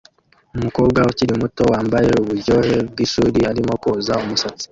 Umukobwa ukiri muto wambaye uburyohe bwishuri arimo koza umusatsi